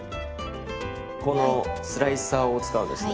このスライサーを使うんですね。